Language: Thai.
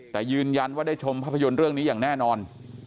แต่ยืนยันว่าได้ชมภาพยนตร์เรื่องนี้อย่างแน่นอน